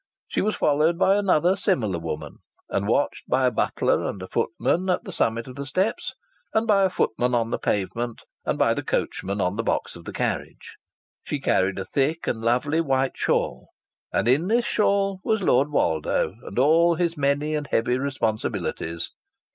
She was followed by another similar woman, and watched by a butler and a footman at the summit of the steps and by a footman on the pavement and by the coachman on the box of the carriage. She carried a thick and lovely white shawl, and in this shawl was Lord Woldo and all his many and heavy responsibilities.